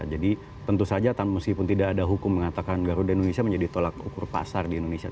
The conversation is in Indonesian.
jadi tentu saja meskipun tidak ada hukum mengatakan garuda indonesia menjadi tolak ukur pasar di indonesia